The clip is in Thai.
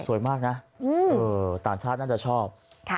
สวยมากนะต่างชาติน่าจะชอบ